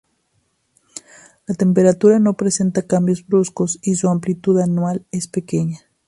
La temperatura no presenta cambios bruscos y su amplitud anual es pequeña.